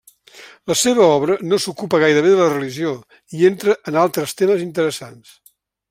La seva obra no s'ocupa gairebé de la religió i entra en altres temes interessants.